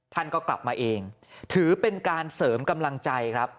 ท่านก็กลับมาเองถือเป็นการเสริมกำลังใจครับ